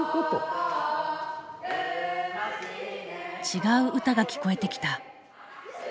違う歌が聞こえてきた。